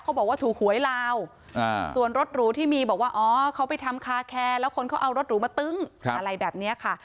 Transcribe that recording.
บอกว่าถูกหวยลาวส่วนรถหรูที่มีบอกว่าอ๋อเขาไปทำคาแคร์แล้วคนเขาเอารถหรูมาตึ้งอะไรแบบนี้ค่ะ